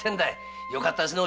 よかったですね